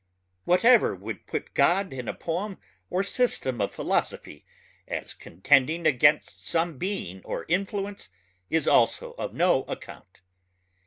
Whatever would put God in a poem or system of philosophy as contending against some being or influence is also of no account.